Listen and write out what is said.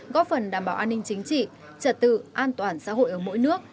góp phần đảm bảo an ninh chính trị trật tự an toàn xã hội ở mỗi nước